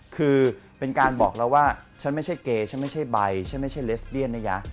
คือเป็นการบอกแล้วว่าฉันไม่ใช่เกย์ฉันไม่ใช่ใบฉันไม่ใช่เลสเดียนนะยะ